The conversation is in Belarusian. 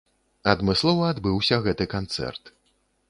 Адмыслова адбыўся гэты канцэрт.